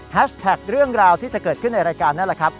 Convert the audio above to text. แท็กเรื่องราวที่จะเกิดขึ้นในรายการนั่นแหละครับ